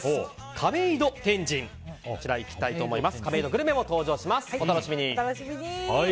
亀戸天神に行きたいと思います。